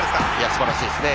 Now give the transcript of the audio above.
すばらしいですね。